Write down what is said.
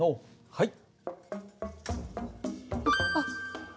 はい。